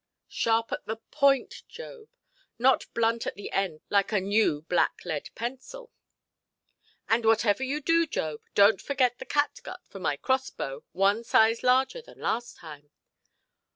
"Sharp at the point, Job, not blunt at the end like a new black–lead pencil". "And whatever you do, Job, donʼt forget the catgut for my cross–bow, one size larger than last time".